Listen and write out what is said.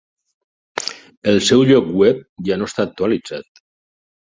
El seu lloc web ja no està actualitzat.